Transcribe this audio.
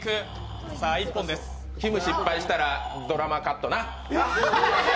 きむ失敗したらドラマカットな。